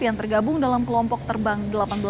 yang tergabung dalam kelompok terbang delapan belas